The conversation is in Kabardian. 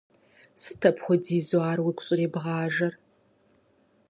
Сыт апхуэдизу ар уигу щӀрибгъажэр?